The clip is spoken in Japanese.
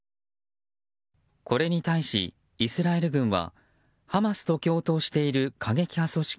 これに対しイスラエル軍はハマスと共闘している過激派組織